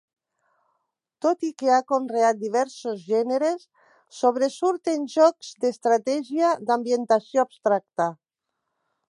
Tot i que ha conreat diversos gèneres, sobresurt en jocs d'estratègia d'ambientació abstracta.